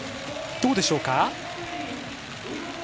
どうでしょうか？